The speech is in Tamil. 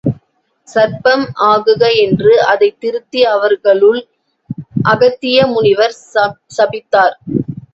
சர்ப்பம் ஆகுக என்று அதைத் திருத்தி அவர்களுள் அகத்திய முனிவர் சபித்தார்.